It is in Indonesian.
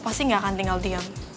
pasti gak akan tinggal diam